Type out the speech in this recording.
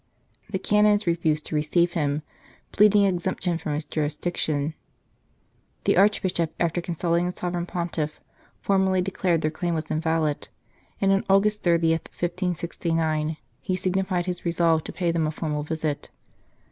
The Canons refused to receive him, pleading exemption from his jurisdiction. The Archbishop, after consulting the Sovereign Pontiff, formally declared their claim was invalid, and on August 30, 1569, he signified his resolve to pay them a formal visit.